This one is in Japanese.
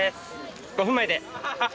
５分前で。